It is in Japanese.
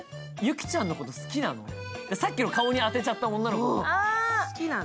さっきの顔に当てちゃった女の子が。